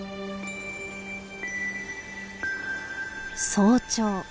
早朝。